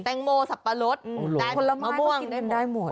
แตงโมสับปะรสแต่มะม่วงได้หมด